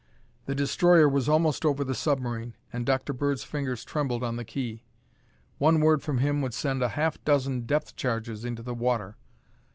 The destroyer was almost over the submarine and Dr. Bird's fingers trembled on the key. One word from him would send a half dozen depth charges into the water.